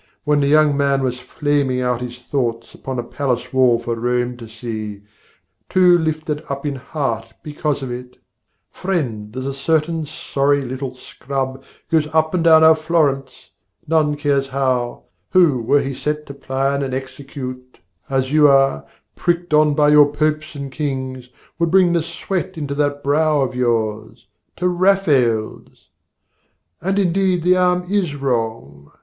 (When the young man was flaming out his thoughts Upon a palace wall for Rome to see, Too lifted up in heart because of it) 'Friend, there's a certain sorry little scrub 'Goes up and down our Florence, none cares how, 'Who, were he set to plan and execute 'As you are, pricked on by your popes and kings, 'Would bring the sweat into that brow of yours! ' To Rafael's! And indeed the arm is wrong.